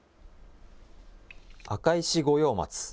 赤石五葉松。